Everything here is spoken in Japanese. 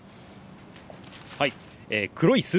はい。